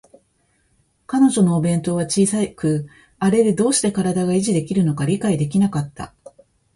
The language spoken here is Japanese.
彼女のお弁当箱は小さく、あれでどうして身体が維持できるのか理解できなかった